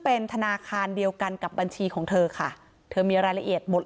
เป็นธนาคารเดียวกันกับบัญชีของเธอค่ะเธอมีรายละเอียดหมด